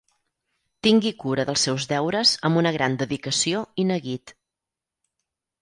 Tingui cura dels seus deures amb una gran dedicació i neguit.